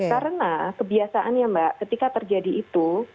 karena kebiasaannya mbak ketika terjadi istilahnya